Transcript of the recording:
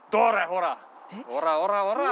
ほらほらほら！